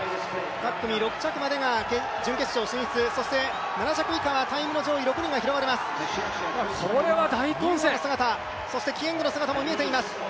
各組６着までが準決勝進出、そして、７着以下はタイムの上位６人が拾われます。